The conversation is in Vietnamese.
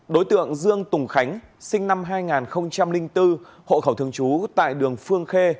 đối tượng dương tùng khánh sinh năm hai nghìn bốn hộ khẩu thường trú tại đường phương khê